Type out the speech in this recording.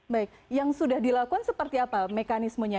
baik yang sudah dilakukan seperti apa mekanismenya